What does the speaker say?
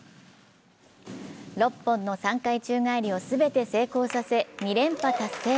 ６本の３回宙返りを全て成功させ、２連覇達成。